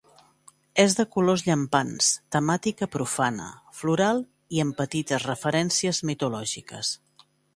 És de colors llampants, temàtica profana, floral i amb petites referències mitològiques.